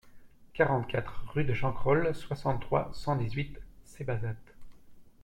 quarante-quatre rue de Chancrole, soixante-trois, cent dix-huit, Cébazat